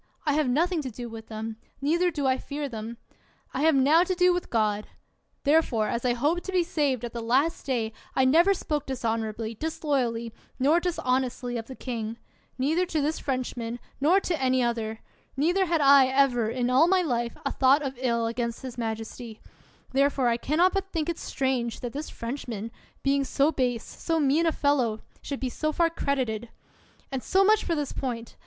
I have nothing to do with them, neither do I fear them. I have now to do with God ; therefore, as I hope to be saved at the last day, I never spoke dishonorably, disloyally, nor dishonestly of the king, neither to this French man, nor to any other ; neither had I ever, in all my life, a thought of ill against his majesty; therefore I can not but think it strange that this Frenchman, being so base, so mean a fellow, should be so far credited ; and so much for this point.